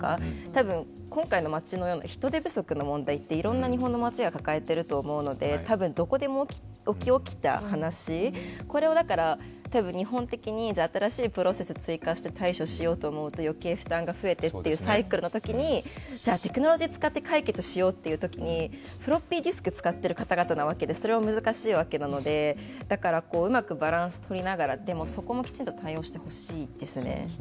多分、今回の町の人手不足の問題っていろいろな日本の町が抱えていると思うのでたぶんどこでも起きえた話でこれを日本的に新しいプロセスを追加して対処しようと思うと、余計負担が増えてというサイクルのときにテクノロジーを使って解決しようというときにフロッピーディスク使っている方々なわけで、それも難しいわけなので、だから、うまくバランスをとりながら、そこもきちんと対応してほしいですね。